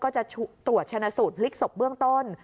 จะตรวจชนะสูตรพลิกศพเบื้องต้น